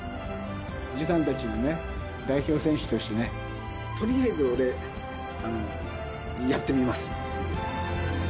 おじさんたちの代表選手としてね、とりあえず俺、やってみますっていう。